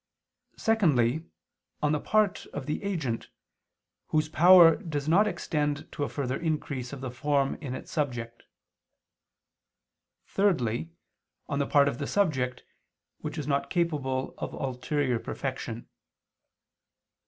Secondly, on the part of the agent, whose power does not extend to a further increase of the form in its subject. Thirdly, on the part of the subject, which is not capable of ulterior perfection.